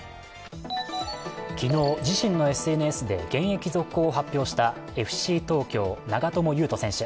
昨日、自身のＳＮＳで現役続行を発表したＦＣ東京・長友佑都選手。